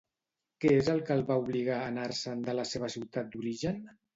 Què és el que el va obligar a anar-se'n de la seva ciutat d'origen?